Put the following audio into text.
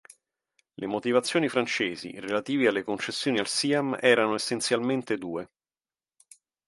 Le motivazioni francesi relative alle concessioni al Siam erano essenzialmente due.